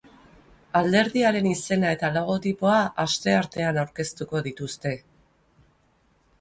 Alderdiaren izena eta logotipoa asteartean aurkeztuko dituzte.